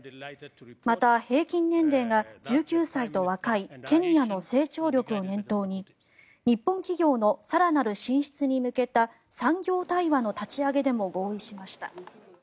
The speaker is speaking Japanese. また、平均年齢が１９歳と若いケニアの成長力を念頭に日本企業の更なる進出に向けた産業対話の立ち上げでも合意しました。